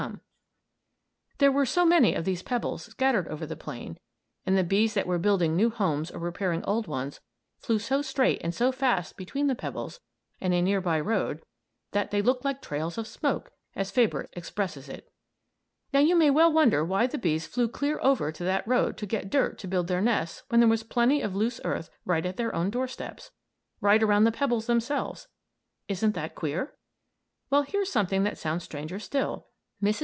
[Illustration: MASON BEE CELLS AMONG THE ROCKS] There were so many of these pebbles scattered over the plain, and the bees that were building new homes or repairing old ones flew so straight and so fast between the pebbles and a near by road that "they looked like trails of smoke," as Fabre expresses it. Now, you may well wonder why the bees flew clear over to that road to get dirt to build their nests when there was plenty of loose earth right at their own door steps; right around the pebbles themselves. Isn't that queer? Well, here's something that sounds stranger still. Mrs.